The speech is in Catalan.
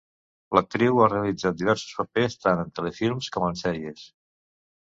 L'actriu ha realitzat diversos papers tant en telefilms com en sèries.